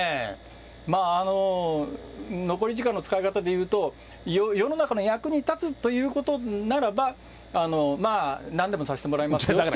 まあ、残り時間の使い方でいうと、世の中の役に立つということならば、なんでもさせてもらいますよって。